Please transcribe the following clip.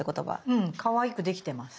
うんかわいくできてます。